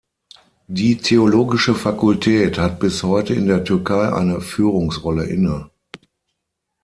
Die Theologische Fakultät hat bis heute in der Türkei eine Führungsrolle inne.